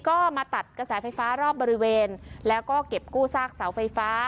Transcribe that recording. ก็มาตัดกระแสไฟฟ้ารอบบริเวณแล้วก็เก็บกู้ซากเสาไฟฟ้า